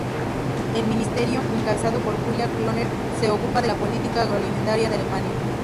El ministerio, encabezado por Julia Klöckner, se ocupa de la política agroalimentaria de Alemania.